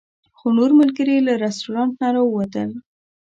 خو نور ملګري له رسټورانټ نه راووتل.